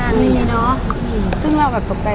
ภาษาสนิทยาลัยสุดท้าย